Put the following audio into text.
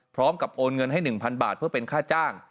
พร้อมกับโอนเงินให้๑๐๐๐บาทเพื่อเป็นค่าจ้าง